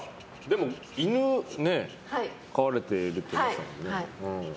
犬、飼われてるって言ってましたもんね。